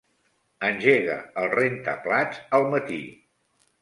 Engega el rentaplats al matí.